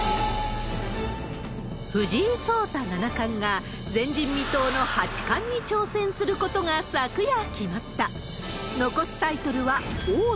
藤井聡太七冠が、前人未到の八冠に挑戦することが昨夜決まった。